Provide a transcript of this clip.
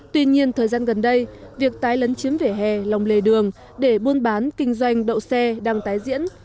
tuy nhiên thời gian gần đây việc tái lấn chiếm vỉa hè lòng lề đường để buôn bán kinh doanh đậu xe đang tái diễn